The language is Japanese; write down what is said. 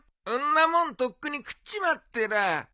んなもんとっくに食っちまってらあ。